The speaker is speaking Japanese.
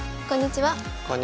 こんにちは。